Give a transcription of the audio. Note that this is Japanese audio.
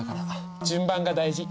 順番が大事。